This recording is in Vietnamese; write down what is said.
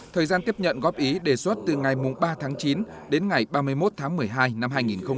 thời gian tiếp nhận góp ý đề xuất từ ngày ba tháng chín đến ngày ba mươi một tháng một mươi hai năm hai nghìn một mươi chín